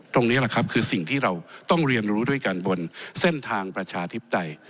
ตรงนี้แหละครับคือสิ่งที่เราต้องเรียนรู้ด้วยกันบนเส้นทางประชาธิปไตย